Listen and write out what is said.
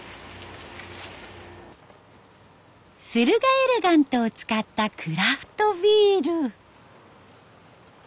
スルガエレガントを使ったクラフトビール。